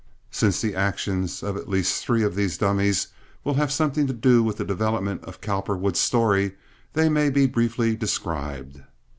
Since the action of at least three of these dummies will have something to do with the development of Cowperwood's story, they may be briefly described.